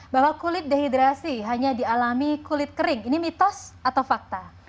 bahwa kulit dehidrasi hanya dialami kulit kering ini mitos atau fakta